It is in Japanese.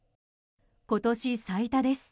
今年最多です。